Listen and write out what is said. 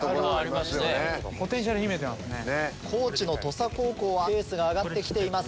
高知の土佐高校はペースが上がって来ています。